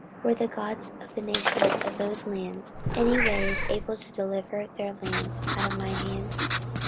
were the gods of the nations of those lands any ways able to deliver their lands out of mine hand?